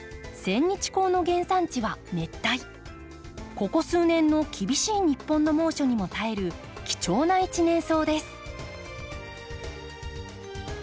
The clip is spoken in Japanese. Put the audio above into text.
ここ数年の厳しい日本の猛暑にも耐える貴重な一年草です。